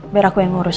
biar aku yang urus